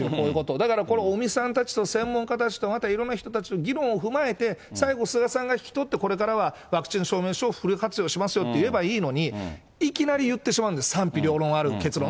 だからこれ、尾身さんたちと専門家たちと、またいろんな人たちと議論を踏まえて、最後、菅さんが引き取って、これからはワクチン証明書をフル活用しますよって言えばいいのに、いきなり言ってしまうんです、賛否両論ある結論を。